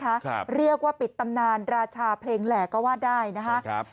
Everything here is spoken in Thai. ครับเรียกว่าปิดตำนานราชาเพลงแหล่ก็ว่าได้นะคะครับ